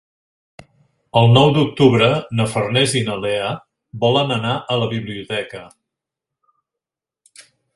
El nou d'octubre na Farners i na Lea volen anar a la biblioteca.